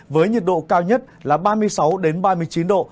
với nhiệt độ cao nhất là ba mươi sáu ba mươi chín độ